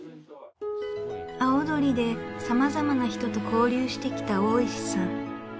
葵鳥でさまざまな人と交流してきた大石さん。